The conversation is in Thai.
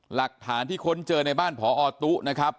หลักฐานที่ค้นเจอในบ้านพอตุ๊นะครับ